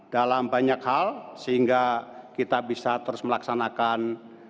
dalam banyak hal sehingga kita bisa terus melaksanakan